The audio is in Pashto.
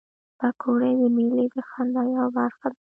پکورې د میلې د خندا یوه برخه ده